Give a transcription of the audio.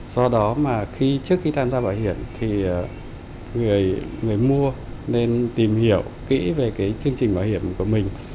do đó mà trước khi tham gia bảo hiểm thì người mua nên tìm hiểu kỹ về cái chương trình bảo hiểm của mình